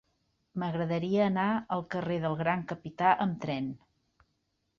M'agradaria anar al carrer del Gran Capità amb tren.